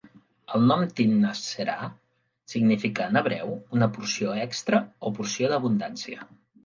El nom "Timnath-serah" significa en hebreu una "porció extra" o "porció d'abundància".